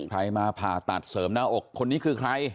ใครมาผ่าตัดเสริมหน้าอกคนนี้คือใคร